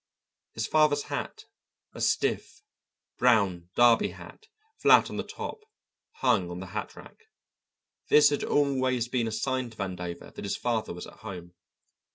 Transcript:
His father's hat, a stiff brown derby hat, flat on the top, hung on the hatrack. This had always been a sign to Vandover that his father was at home.